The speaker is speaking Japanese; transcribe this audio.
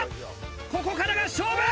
ここからが勝負！